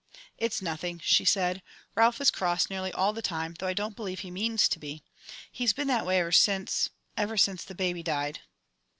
"It's nothing," she said. "Ralph is cross nearly all the time, though I don't believe he means to be. He has been that way ever since ever since the baby died."